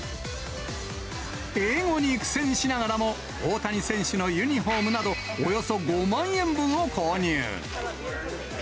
英語に苦戦しながらも、大谷選手のユニホームなど、およそ５万円分を購入。